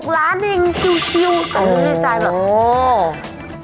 ๖ล้านเองชิวตรงนี้ในใจแบบ